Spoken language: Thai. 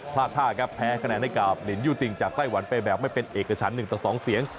ท่าครับแพ้คะแนนให้กับลินยูติงจากไต้หวันไปแบบไม่เป็นเอกชั้น๑ต่อ๒เสียง